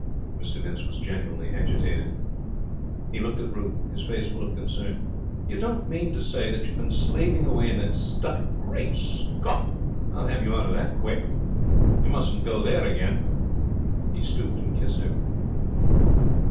Mr Vince was genuinely agitated. He looked at Ruth, his face full of concern. 'You don't mean to say you have been slaving away in that stuffy Great Scott! I'll have you out of that quick. You mustn't go there again.' He stooped and kissed her.